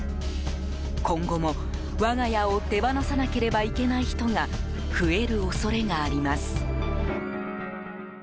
今後も、我が家を手放さなければいけない人が増える恐れがあります。